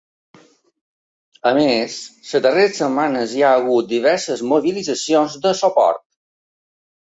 A més, les darreres setmanes hi ha hagut diverses mobilitzacions de suport.